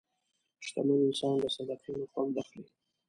شتمن انسان له صدقې نه خوند اخلي.